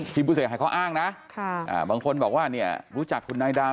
ที่พุธเสธหายเขาอ้างนะบางคนบอกว่ารู้จักคุณนายดาว